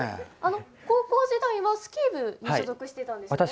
高校時代はスキー部に所属していたんですよね。